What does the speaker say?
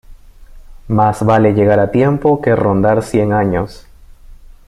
Más vale llegar a tiempo que rondar cien años.